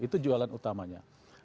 itu jualan utamanya